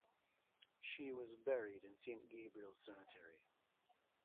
She was buried in St Gabriel’s Cemetery.